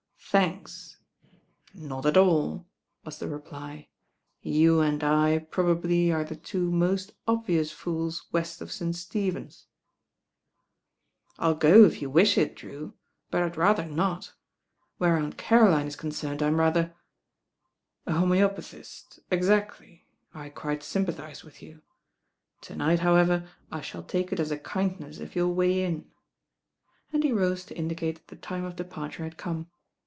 "Thanks 1" "Not at all," was the reply; "you and I probably are the two most obvious fools west of St. Stephen's." "I'll go if you wish it, Drew; but I'd rather not. Where Aunt Caroline is concerned I'm rather " "A homoeopathist, exactly. I quite sympathise with you. To night, however, I shall take it as a kindness if you'll weigh in," and he rose to indicate that the time of departure had come.